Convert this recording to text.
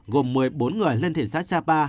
gồm một mươi bốn người lên thị xã sapa